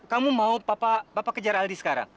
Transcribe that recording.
kamu mau bapak kejar aldi sekarang